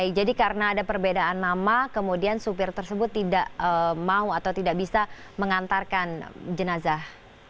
baik jadi karena ada perbedaan nama kemudian supir tersebut tidak mau atau tidak bisa mengantarkan jenazah